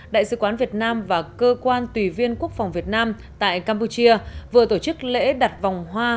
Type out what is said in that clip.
đại sứ quán việt nam và cơ quan tùy viên quốc phòng việt nam tại campuchia vừa tổ chức lễ đặt vòng hoa